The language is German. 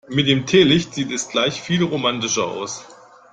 Mit dem Teelicht sieht es gleich viel romantischer aus.